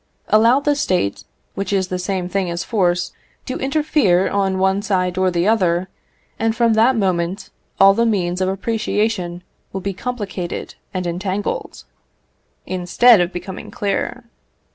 Allow the State, which is the same thing as force, to interfere on one side or the other, and from that moment all the means of appreciation will be complicated and entangled, instead of becoming clear.